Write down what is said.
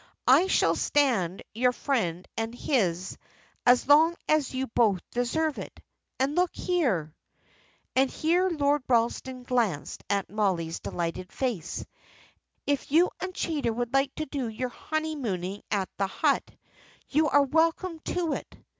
I shall stand your friend and his, as long as you both deserve it. And look here" and here Lord Ralston glanced at Mollie's delighted face "if you and Chaytor would like to do your honeymooning at the Hut, you are welcome to it."